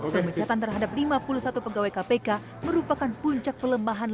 pemecatan terhadap lima puluh satu pegawai kpk merupakan puncak pelemahan